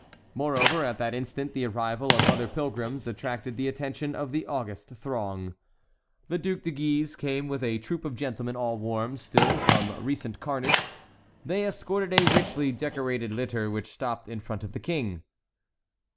Moreover, at that instant the arrival of other pilgrims attracted the attention of the august throng. The Duc de Guise came with a troop of gentlemen all warm still from recent carnage. They escorted a richly decorated litter, which stopped in front of the King.